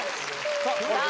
さあ